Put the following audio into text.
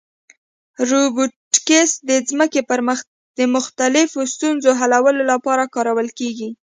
روبوټیکس د ځمکې پر مخ د مختلفو ستونزو حلولو لپاره کارول کېږي.